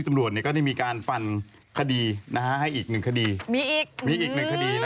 แล้วก็อีกคนนึงเนี่ยเกรงเกียร์อ